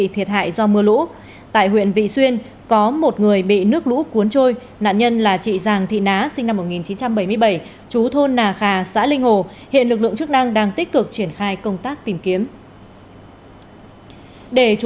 thầy là một người người thầy có đạo đức